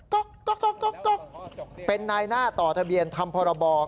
ต๊อกต๊อกต๊อกเป็นนายหน้าต่อทะเบียนทำพรบอก